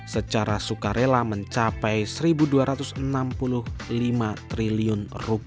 secara sukarela mencapai rp satu dua ratus enam puluh lima triliun